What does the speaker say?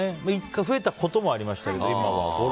１回増えたこともありましたけど。